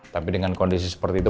tapi dengan kondisi seperti itu